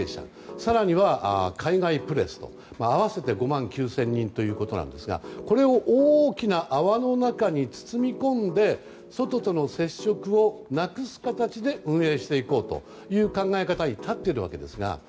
更には海外プレスと合わせて５万９０００人ということなんですがこれを大きな泡の中に包み込んで外との接触をなくす形で運営していこうという考え方に立っているわけですが。